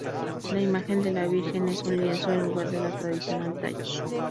La imagen de la Virgen es un lienzo en lugar de la tradicional talla.